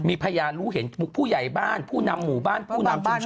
มีพยานรู้เห็นผู้ใหญ่บ้านผู้นำหมู่บ้านผู้นำชุมชน